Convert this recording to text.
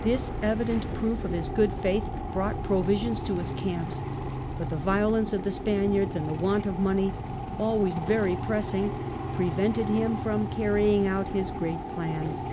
This evident proof of his good faith brought provisions to his camps, but the violence of the Spaniards and the want of money, always very pressing, prevented him from carrying out his great plans.